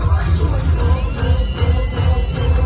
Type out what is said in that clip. มันเป็นเมื่อไหร่แล้ว